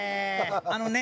あのね